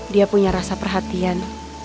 dia punya rasa perhatian